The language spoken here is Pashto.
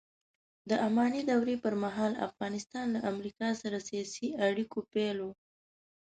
د اماني دورې پرمهال افغانستان له امریکا سره سیاسي اړیکو پیل و